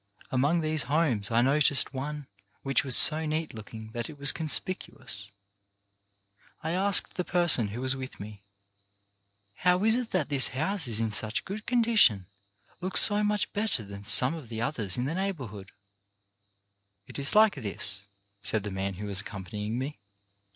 Among these homes I noticed one which was so neat look ing that it was conspicuous. I asked the person who was with me, "How is it that this house is in such good condition, looks so much better than some of the others in the neighbourhood ?" "It is like this, " said the man who was accompanying me.